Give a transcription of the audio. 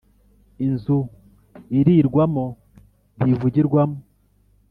Inzu irirwamo ntivugirwamo